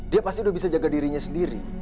dia pasti udah bisa jaga dirinya sendiri